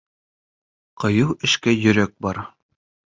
Ҡыйыу эшкә йөрәк бар.